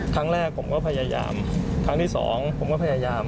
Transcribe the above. ครั้งแรกผมก็พยายามครั้งที่๒ผมก็พยายาม